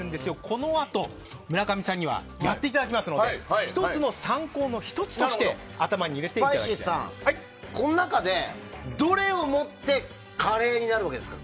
このあと村上さんにはやっていただきますので参考の１つとしてスパイシーさん、この中でどれを持ってカレーになるわけですか。